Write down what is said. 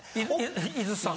井筒さん。